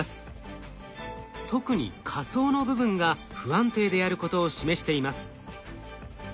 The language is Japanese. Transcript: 特に下層の部分が不安定であることを示しています。